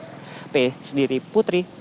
pdip sendiri putri